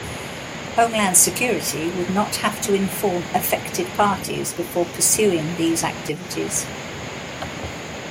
Homeland Security would not have to inform affected parties before pursuing these activities.